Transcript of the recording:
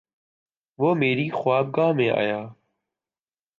وہ میری خوابگاہ میں آیا